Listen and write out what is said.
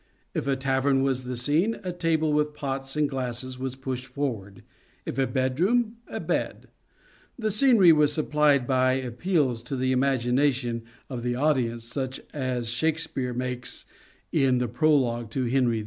If a tavern was the scene, a table with pots and glasses was pushed forward ; if a bedroom, a bed. The scenery was supplied by appeals to the imagina tion of the audience, such as Shakespeare makes in the prologue to " Henry V."